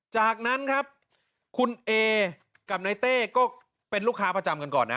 จากนั้นครับคุณเอกับนายเต้ก็เป็นลูกค้าประจำกันก่อนนะ